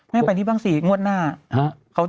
ให้ไปที่บ้างสิงวดหน้า